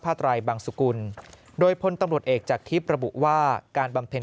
ภาษาไตรบางสุขุนโดยพลตำรวจเอกจากที่ประบุว่าการบำเพ็ญ